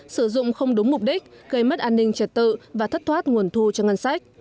sử dụng không đúng mục đích gây mất an ninh trật tự và thất thoát nguồn thu cho ngân sách